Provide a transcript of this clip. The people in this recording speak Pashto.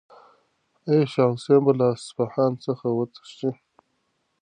آیا شاه حسین به له اصفهان څخه وتښتي؟